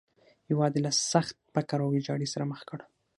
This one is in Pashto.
هېواد یې له سخت فقر او ویجاړۍ سره مخ کړ.